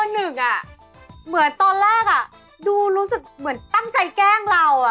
เหมือนตอนแรกดูรู้สึกเหมือนตั้งใจแกล้งเรา